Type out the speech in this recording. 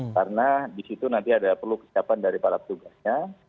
karena di situ nanti ada perlu kesiapan dari para tugasnya